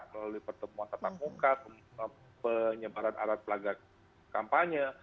melalui pertemuan tatap muka penyebaran alat pelagak kampanye